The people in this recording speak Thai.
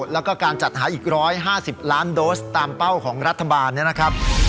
แล้วก็การจัดหาอีก๑๕๐ล้านโดสตามเป้าของรัฐบาลเนี่ยนะครับ